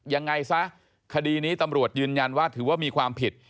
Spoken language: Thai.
ยังไงซะคดีนี้ตำรวจยืนยันว่าถือว่ามีความผิด